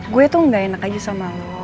gue tuh gak enak aja sama lo